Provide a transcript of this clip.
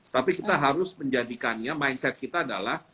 tapi kita harus menjadikannya mindset kita adalah